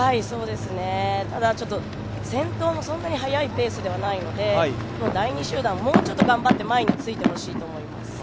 ただ先頭もそんなに早いペースではないので第２集団、もうちょっと頑張って前についてほしいと思います。